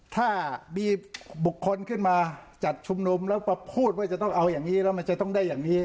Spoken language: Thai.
ถ้ามีบุคคลขึ้นมาจัดชุมนุมแล้วมาพูดว่าจะต้องเอาอย่างนี้แล้วมันจะต้องได้อย่างนี้